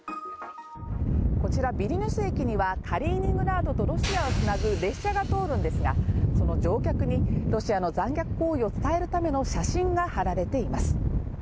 こちら、ビリニュス駅にはカリーニングラードとロシアをつなぐ列車が通るんですが、その乗客にロシアの残虐行為を伝えるための写真が貼られています。